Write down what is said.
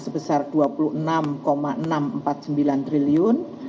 sebesar rp dua puluh enam enam ratus empat puluh sembilan triliun